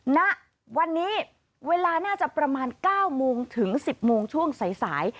ณวันนี้เวลาน่าจะประมาณ๙โมงถึง๑๐โมงช่วงสาย